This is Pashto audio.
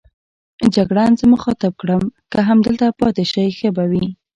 جګړن زه مخاطب کړم: که همدلته پاتې شئ ښه به وي.